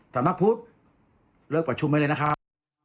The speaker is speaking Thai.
สำนักพุทธเลิกประชุมไว้เลยนะครับ